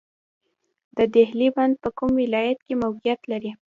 د دهلې بند په کوم ولایت کې موقعیت لري؟